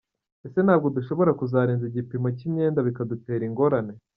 Ese ntabwo dushobora kuzarenza igipimo cy’imyenda bikadutera ingorane?”.